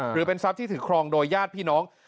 หรือเป็นทรัพย์ที่ถือครองโดยญาติพี่น้อง